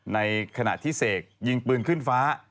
ในขณะที่เสกยิงปืนขึ้นฟ้า